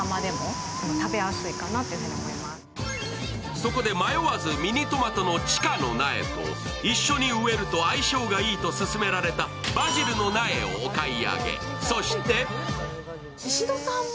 そこで迷わずミニトマトの千果の苗と一緒に植えると相性がいいと勧められたバジルの苗をお買い上げ。